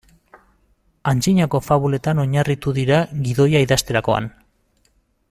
Antzinako fabuletan oinarritu dira gidoia idazterakoan.